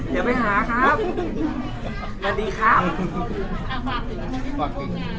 คือไปยังไงครับครับเดี๋ยวไปหาครับสวัสดีครับ